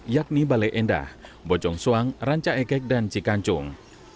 yakni balai endah bojongsuang rancaegeg dan cikancung